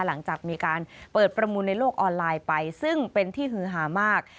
หลังจากมีการเปิดประมูลในโลกออนไลน์ไปซึ่งเป็นที่ฮือหามาก